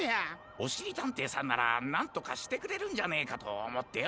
おしりたんていさんならなんとかしてくれるんじゃねえかとおもってよ！